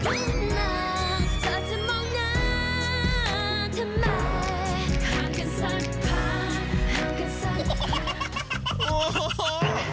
พักกันสักพาง